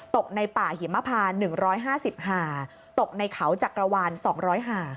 ตกในป่าหิมพาน๑๕๐หาตกในเขาจักรวาล๒๐๐หา